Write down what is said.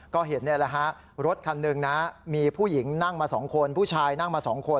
ก็เห็นรถคันหนึ่งมีผู้หญิงนั่งมา๒คนผู้ชายนั่งมา๒คน